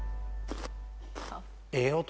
ええ音